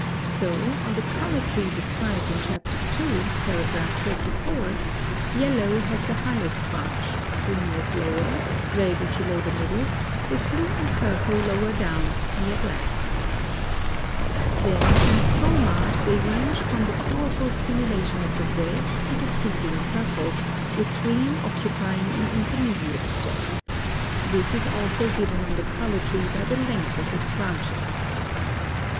So on the color tree described in Chapter II., paragraph 34, yellow has the highest branch, green is lower, red is below the middle, with blue and purple lower down, near black. [Illustration: Fig. 15.] (95) Then in chroma they range from the powerful stimulation of the red to the soothing purple, with green occupying an intermediate step. This is also given on the color tree by the length of its branches.